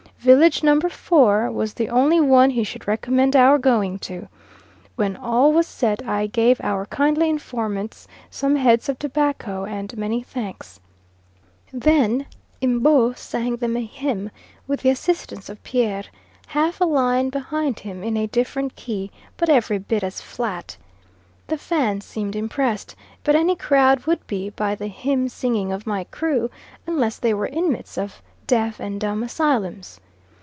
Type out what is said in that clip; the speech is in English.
Village number four was the only one he should recommend our going to. When all was said, I gave our kindly informants some heads of tobacco and many thanks. Then M'bo sang them a hymn, with the assistance of Pierre, half a line behind him in a different key, but every bit as flat. The Fans seemed impressed, but any crowd would be by the hymn singing of my crew, unless they were inmates of deaf and dumb asylums.